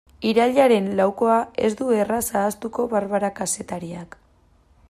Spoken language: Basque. Irailaren laukoa ez du erraz ahaztuko Barbara kazetariak.